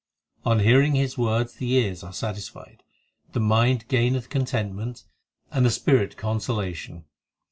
On hearing his words the ears are satisfied ; The mind gaineth contentment and the spirit consolation.